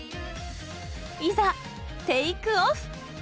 いざテイクオフ！